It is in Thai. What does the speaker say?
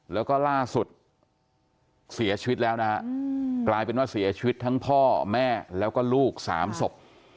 แล้วก็ล่าสุดเสียชีวิตแล้วนะฮะกลายเป็นว่าเสียชีวิตทั้งพ่อแม่แล้วก็ลูกสามศพ